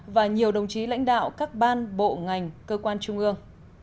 và nhiều đồng chí lãnh đạo các ban bộ ngành cơ quan trung ương